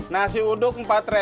nasi uduk empat